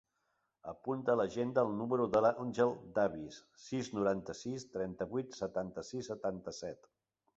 Apunta a l'agenda el número de l'Àngel Davies: sis, noranta-sis, trenta-vuit, setanta-sis, setanta-set.